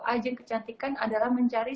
ajang kecantikan adalah mencari